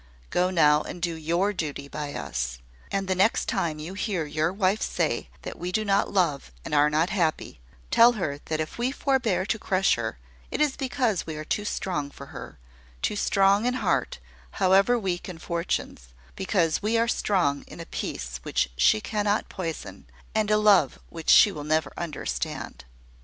Go now and do your duty by us: and the next time you hear your wife say that we do not love and are not happy, tell her that if we forbear to crush her, it is because we are too strong for her too strong in heart, however weak in fortunes: because we are strong in a peace which she cannot poison, and a love which she will never understand."